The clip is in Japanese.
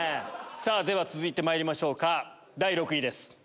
では続いてまいりましょうか第６位です。